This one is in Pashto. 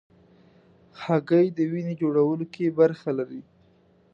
هګۍ د وینې جوړولو کې برخه لري.